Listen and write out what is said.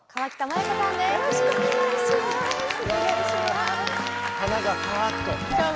よろしくお願いします。